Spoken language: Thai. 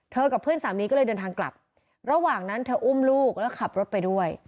กับเพื่อนสามีก็เลยเดินทางกลับระหว่างนั้นเธออุ้มลูกแล้วขับรถไปด้วย